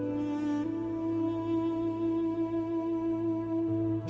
บันไดปลาโจนนี้จะสามารถใช้งานได้จริง